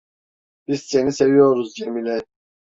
Biz seni seviyoruz Cemile!